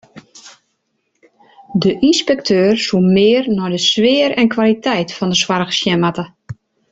De ynspekteur soe mear nei de sfear en kwaliteit fan de soarch sjen moatte.